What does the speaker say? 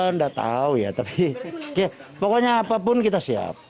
anda tahu ya tapi pokoknya apapun kita siap